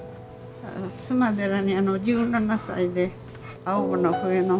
須磨寺に１７歳で青葉の笛の。